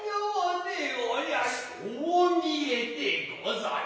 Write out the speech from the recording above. そう見えて御座る。